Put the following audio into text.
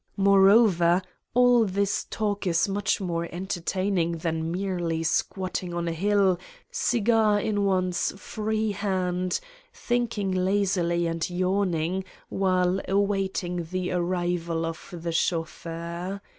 Moreover, all this talk is much more entertaining than merely squatting on a hill, cigar in one's free hand, think ing lazily and yawning while awaiting the arrival of the chauffeur.